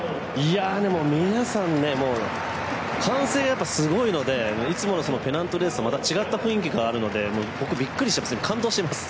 皆さん、歓声がすごいのでいつものペナントレースとは違った雰囲気があるので僕、ビックリして感動しています。